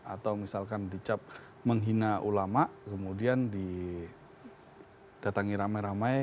atau misalkan dicap menghina ulama kemudian didatangi ramai ramai